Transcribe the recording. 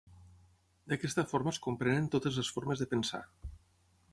D’aquesta forma es comprenen totes les formes de pensar.